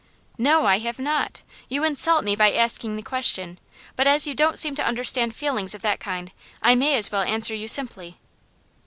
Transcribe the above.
'No, I have not. You insult me by asking the question, but as you don't seem to understand feelings of that kind I may as well answer you simply.